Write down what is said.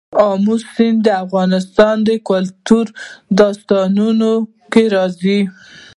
آمو سیند د افغان کلتور په داستانونو کې راځي.